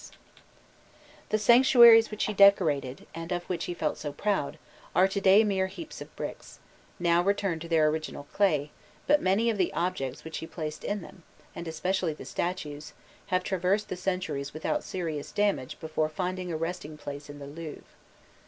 [Illustration: 109.jpg SITTING STATUE OF GUDEA] Drawn by Faucher Gudin The sanctuaries which he decorated, and of which he felt so proud, are to day mere heaps of bricks, now returned to their original clay; but many of the objects which he placed in them, and especially the statues, have traversed the centuries without serious damage before finding a resting place in the Louvre.